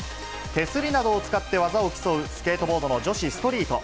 手すりなどを使って技を競う、スケートボードの女子ストリート。